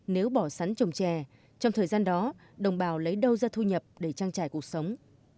nếu bỏ sắn trồng chè trong thời gian đó đồng bào lấy đâu ra thu nhập để trang trải cuộc sống